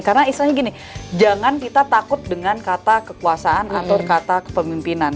karena istilahnya gini jangan kita takut dengan kata kekuasaan atau kata kepemimpinan